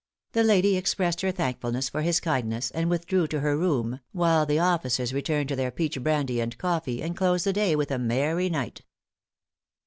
The lady expressed her thankfulness for his kindness, and withdrew to her room, while the officers returned to their peach brandy and coffee, and closed the day with a merry night.